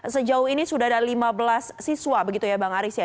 sejauh ini sudah ada lima belas siswa begitu ya bang aris ya